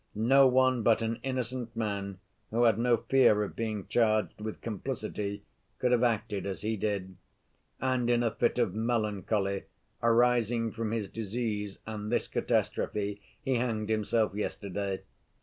No one but an innocent man, who had no fear of being charged with complicity, could have acted as he did. And in a fit of melancholy arising from his disease and this catastrophe he hanged himself yesterday.